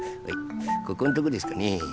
ここんとこですかね？